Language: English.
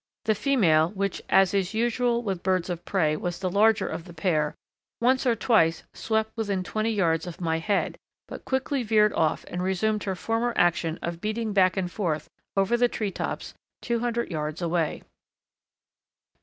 The female, which, as is usual with birds of prey, was the larger of the pair, once or twice swept within twenty yards of my head, but quickly veered off and resumed her former action of beating back and forth over the tree tops two hundred yards away.